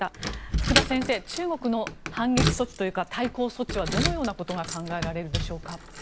福田先生、中国の反撃措置というか対抗措置はどのようなことが考えられるでしょうか。